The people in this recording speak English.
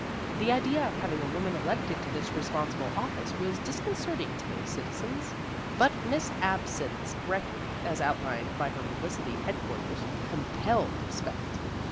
The idea of having a woman elected to this responsible office was disconcerting to many citizens, but Miss Absinthe's record (as outlined by her publicity headquarters) compelled respect.